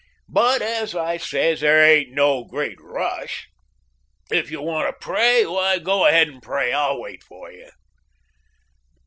But, as I says, there ain't no great rush. If you want to pray, why, go ahead and pray. I'll wait for you."